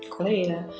có thể là